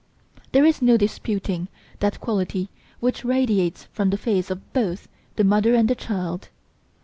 There is no disputing that quality which radiates from the face of both the Mother and the Child.